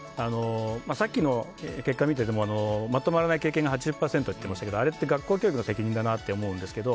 さっきの結果見ててもまとまらない経験が８０％とありましたけどあれって学校教育の責任だと思うんですけど。